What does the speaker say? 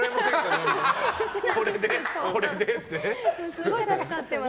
すごい助かってます。